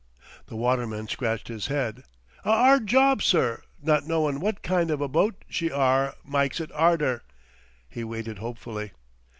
The waterman scratched his head. "A 'ard job, sir; not knowin' wot kind of a boat she are mykes it 'arder." He waited hopefully.